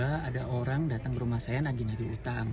beginiin mba tiba tiba ada orang datang ke rumah saya nagih nagih utang